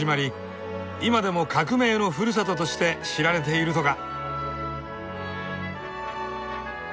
今でも「革命の故郷」として知られているとか。